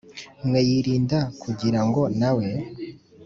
Mwe yirinda k kugira ngo na we